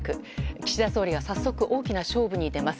岸田総理が早速大きな勝負に出ます。